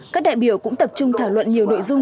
các đại biểu cũng tập trung thảo luận nhiều nội dung